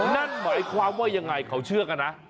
นั่นหมายความว่ายังไงเขาเชื่อกันนะ